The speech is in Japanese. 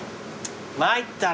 参ったな。